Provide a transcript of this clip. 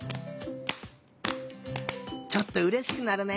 ちょっとうれしくなるね。